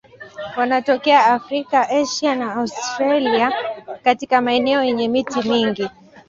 Wanatokea Afrika, Asia na Australia katika maeneo yenye miti mingi.